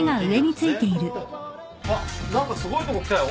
あっ何かすごいとこ来たよ。